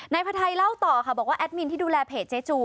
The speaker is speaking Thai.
พระไทยเล่าต่อค่ะบอกว่าแอดมินที่ดูแลเพจเจ๊จู